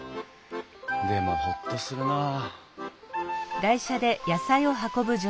でもホッとするなあ。